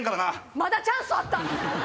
まだチャンスあったん⁉